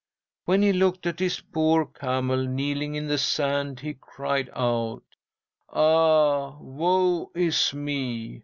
"'When he looked at his poor camel kneeling in the sand, he cried out: "Ah, woe is me!